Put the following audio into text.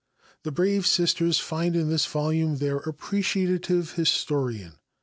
The brave Sisters find in this volume their appreciative historian.